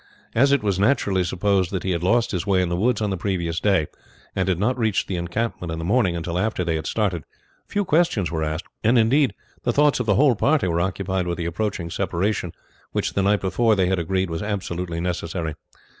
As it was naturally supposed that he had lost his way in the woods on the previous day, and had not reached the encampment in the morning, until after they had started, few questions were asked, and indeed the thoughts of the whole party were occupied with the approaching separation which the night before they had agreed was absolutely necessary.